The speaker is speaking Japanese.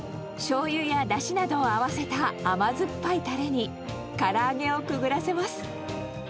しょうゆやだしなどを合わせた甘酸っぱいたれに、から揚げをくぐらせます。